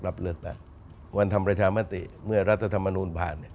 รับเลือกแล้ววันทำราชามัติเมื่อรัฐธรรมนุมผ่าน